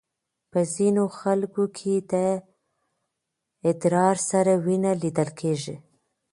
په ځینو خلکو کې د ادرار سره وینه لیدل کېږي.